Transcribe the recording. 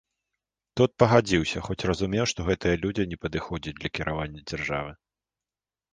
Тот пагадзіўся, хоць разумеў, што гэтыя людзі не падыходзяць для кіравання дзяржавы.